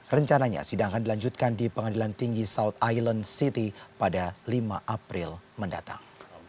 rencananya sedangkan dilanjutkan di pengadilan tinggi south island city pada lima april mendatang